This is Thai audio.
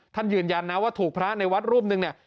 ยืนยันนะว่าถูกพระในวัดรูปหนึ่งเนี่ย